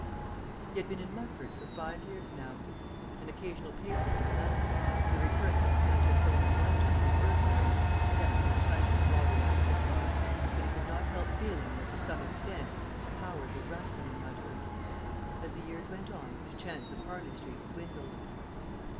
He had been in Mudford for five years now. An occasional paper in The Lancet on "The Recurrence of Anthro philomelitis in Earth worms" kept him in touch with modern medical thought, but he could not help feeling that to some extent his powers were rusting in Mudford. As the years went on his chance of Harley Street dwindled.